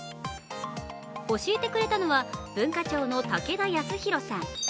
教えてくれたのは、文化庁の武田康宏さん。